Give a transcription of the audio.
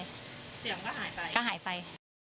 เสียงก็หายไป